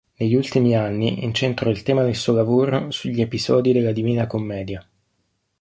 Negli ultimi anni incentrò il tema del suo lavoro sugli episodi della Divina Commedia.